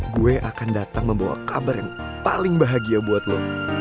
gue akan datang membawa kabar yang paling bahagia buat lo